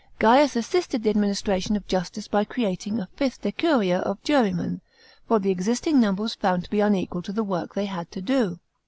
Gaius assisted the administration of justice by creating a fifth decuria of jurymen, for the existing number was found to be unequal to the work they had to do.